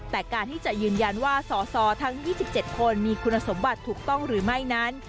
แต่การที่จะยืนยันว่าสอสอทั้ง๒๗คนมีคุณสมบัติถูกต้องหรือไม่นั้น